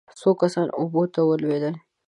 څو کسان اوبو ته ولوېدل.